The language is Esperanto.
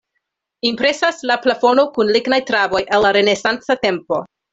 Impresas la plafono kun lignaj traboj el la renesanca tempo.